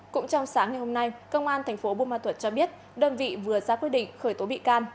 cũng trong sáng ngày hôm nay công an tp bumatut cho biết đơn vị vừa ra quyết định khởi tố bị can